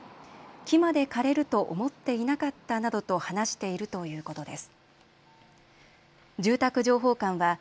木まで枯れると思っていなかったなどと話しているということです。